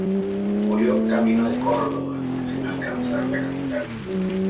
Murió camino de Córdoba, sin alcanzar la capital.